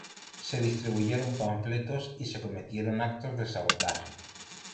Se distribuyeron panfletos y se cometieron actos de sabotaje.